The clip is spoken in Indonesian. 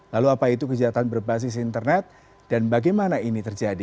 lalu apa itu kejahatan berbasis internet dan bagaimana ini terjadi